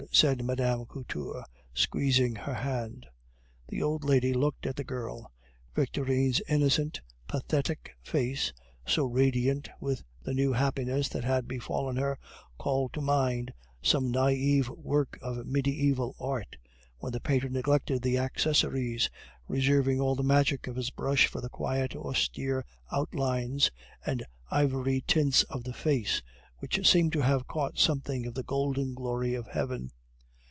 said Mme. Couture, squeezing her hand. The old lady looked at the girl. Victorine's innocent, pathetic face, so radiant with the new happiness that had befallen her, called to mind some naive work of mediaeval art, when the painter neglected the accessories, reserving all the magic of his brush for the quiet, austere outlines and ivory tints of the face, which seems to have caught something of the golden glory of heaven.